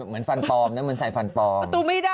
เหมือนฟันพอมนะเหมือนใส่ฟันพอม